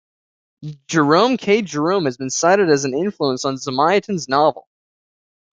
Jerome K. Jerome has been cited as an influence on Zamyatin's novel.